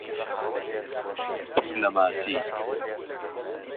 پڕ لە ماسی